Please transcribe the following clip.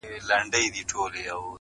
خلک يوازي بقا غواړي دلته,